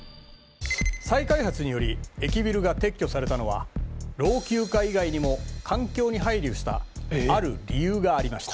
再開発により駅ビルが撤去されたのは老朽化以外にも環境に配慮したある理由がありました。